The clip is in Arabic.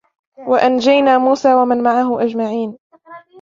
وأنجينا موسى ومن معه أجمعين